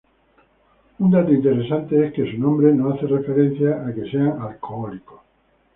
Un dato interesante es que su nombre no hace referencia a que sean alcohólicos.